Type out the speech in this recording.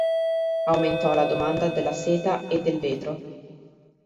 Aumentò la domanda della seta e del vetro.